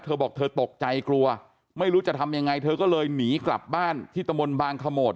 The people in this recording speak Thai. เธอบอกเธอตกใจกลัวไม่รู้จะทำยังไงเธอก็เลยหนีกลับบ้านที่ตะมนต์บางขโมด